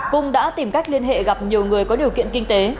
cung đã tìm cách liên hệ gặp nhiều người có điều kiện kinh tế